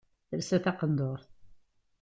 Telsa taqendurt.